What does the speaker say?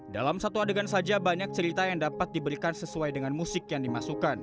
dalam satu adegan saja banyak cerita yang dapat diberikan sesuai dengan musik yang dimasukkan